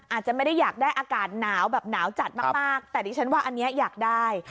อาจจะไม่ได้อยากได้อากาศหนาวแบบหนาวจัดมากแต่ดิฉันว่าอันนี้อยากได้